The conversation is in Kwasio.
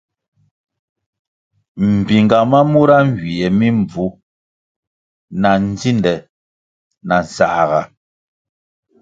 Mbpinga ma mura nywie mi mbvu na ndzinde na nsãhga.